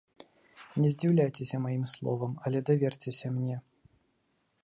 Не здзіўляйцеся маім словам, але даверцеся мне.